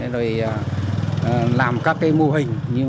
rồi làm các tổ đội an ninh nhân dân